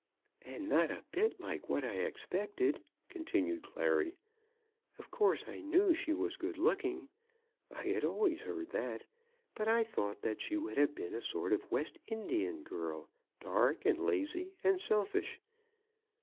"And not a bit like what I expected," continued Clary. "Of course I knew she was good looking. I had always heard that. But I thought that she would have been a sort of West Indian girl, dark, and lazy, and selfish.